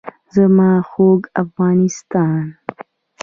زما خوږ افغانستان.